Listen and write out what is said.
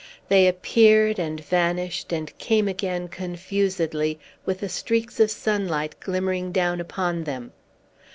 They appeared, and vanished, and came again, confusedly with the streaks of sunlight glimmering down upon them.